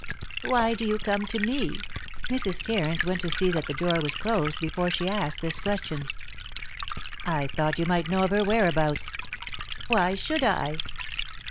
"Why do you come to me?" Mrs. Cairns went to see that the door was closed before she asked this question. "I thought you might know of her whereabouts." "Why should I?"